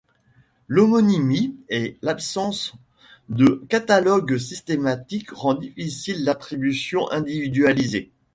L'homonymie et l'absence de catalogue systématique rend difficile l'attribution individualisée.